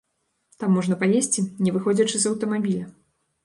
Там можна паесці не выходзячы з аўтамабіля.